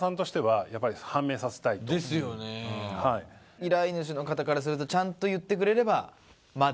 依頼主の方からするとちゃんと言ってくれればまだ。